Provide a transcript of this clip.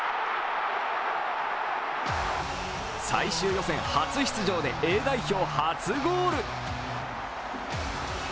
最終予選初出場でＡ代表、初ゴール。